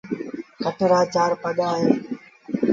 کٽ رآ چآر پآڳآ اهيݩ۔